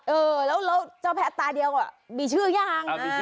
เออแล้วเจ้าแพะตาเดียวมีชื่อยัง